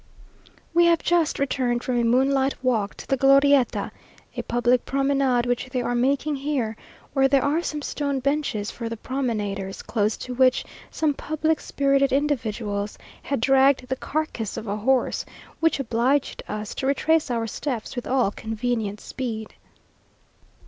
We have just returned from a moonlight walk to the Glorieta, a public promenade which they are making here, where there are some stone benches for the promenaders, close to which some public spirited individuals had dragged the carcase of a horse, which obliged us to retrace our steps with all convenient speed.